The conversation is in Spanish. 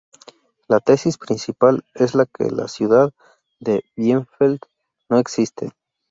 La tesis principal es que la ciudad de Bielefeld no existe.